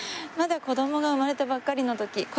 まだ子どもが生まれたばっかりのとき。